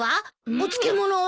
お漬物は？